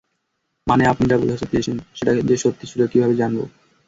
মানে, আপনি যা বোঝাতে চেয়েছেন সেটা যে সত্যি ছিল কীভাবে জানবো?